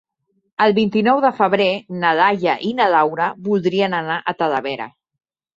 El vint-i-nou de febrer na Laia i na Laura voldrien anar a Talavera.